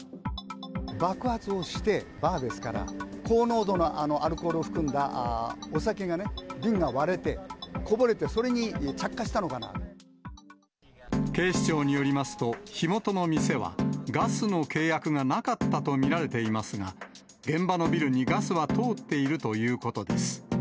爆発をして、バーですから、高濃度のアルコールを含んだお酒がね、瓶が割れて、こぼれて、警視庁によりますと、火元の店は、ガスの契約がなかったと見られていますが、現場のビルにガスは通っているということです。